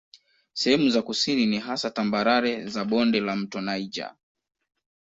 Sehemu za kusini ni hasa tambarare za bonde la mto Niger.